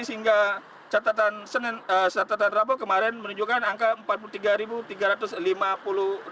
sehingga catatan rabu kemarin menunjukkan angka rp empat puluh tiga tiga ratus lima puluh